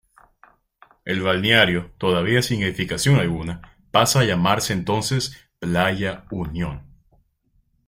El balneario, todavía sin edificación alguna, pasa a llamarse entonces "Playa Unión".